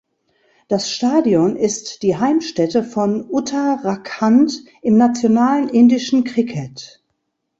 Das Stadion ist die Heimstätte von Uttarakhand im nationalen indischen Cricket.